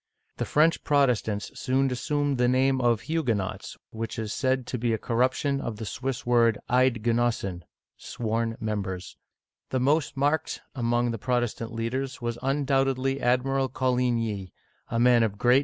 The French Protestants soon assumed the name of Hu'guenots, which is said to be a corruption of the Swiss word Eid'genossen (sworn members). The most marked among the Protestant leaders was un doubtedly Admiral Coligny (co leen'yee), a man of great Digitized by VjOOQIC CHARLES IX.